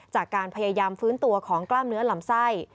จากการพยายามฟื้นตัวของกล้ามเนื้อลำไส้